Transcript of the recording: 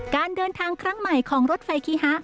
การเดินทางครั้งใหม่ของรถไฟคีฮะ